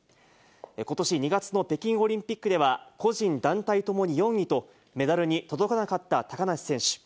ことし２月の北京オリンピックでは、個人、団体ともに４位と、メダルに届かなかった高梨選手。